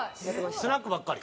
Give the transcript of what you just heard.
スナックばっかり？